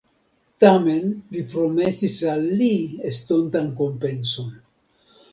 Tamen, li promesis al li estontan kompenson.